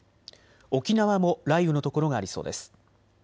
沖縄も雷雨の所がありそうです。